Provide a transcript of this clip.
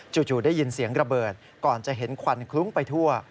จู่ได้ยินเสียงระเบิดก่อนจะเห็นควันคลุ้งไปทั่ว